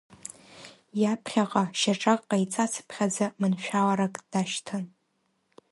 Иаԥхьаҟа шьаҿак ҟаиҵацыԥхьаӡа маншәаларак дашьҭан.